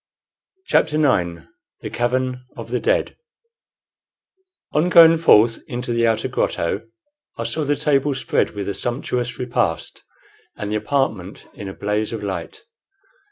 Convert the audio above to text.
CHAPTER IX THE CAVERN OF THE DEAD On going forth into the outer grotto I saw the table spread with a sumptuous repast, and the apartment in a blaze of light.